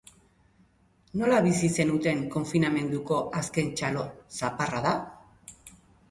Nola bizi zenuten konfinamenduko azken txalo zaparrada?